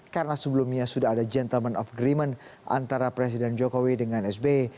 karena sebelumnya sudah ada gentleman of agreement antara presiden jokowi dengan sby